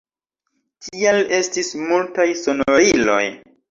Tial estis multaj sonoriloj.